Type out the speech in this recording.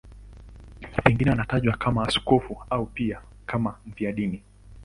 Pengine anatajwa kama askofu au pia kama mfiadini.